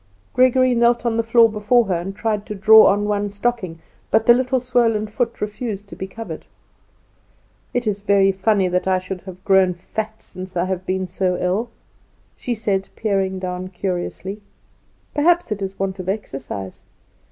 Gregory knelt on the floor before her, and tried to draw on one stocking, but the little swollen foot refused to be covered. "It is very funny that I should have grown so fat since I have been so ill," she said, peering down curiously. "Perhaps it is want of exercise."